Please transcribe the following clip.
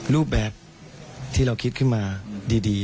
รูปแบบที่เราคิดขึ้นมาดี